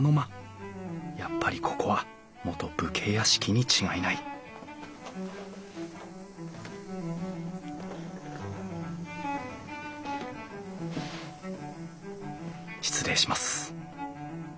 やっぱりここは元武家屋敷に違いない失礼します。